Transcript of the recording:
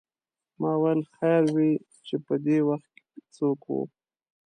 ما ویل خیر وې چې پدې وخت څوک و.